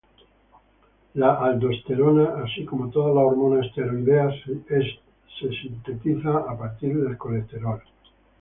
La aldosterona, así como todas las hormonas esteroideas, es sintetizada a partir del colesterol.